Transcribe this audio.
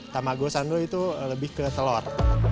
tamago sando itu lebih ke telur